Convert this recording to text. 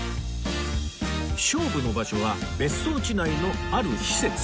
勝負の場所は別荘地内のある施設